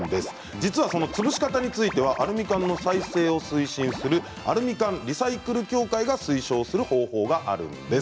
実は、その潰し方についてはアルミ缶の再生を推進するアルミ缶リサイクル協会が推奨する方法があるんです。